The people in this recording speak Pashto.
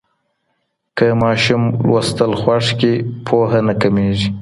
که ماشوم لوستل خوښ کړي، پوهه نه کمېږي.